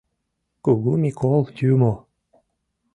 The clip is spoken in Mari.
Кугу Микол Юмо!